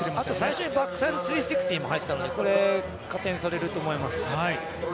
最初にバックサイド３６０も入っていたので、これは加点されると思います。